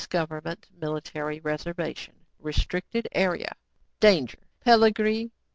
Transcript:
Government Military Reservation. Restricted Area. Danger Peligre.